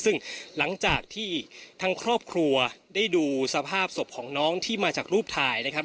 ซึ่งหลังจากที่ทั้งครอบครัวได้ดูสภาพศพของน้องที่มาจากรูปถ่ายนะครับ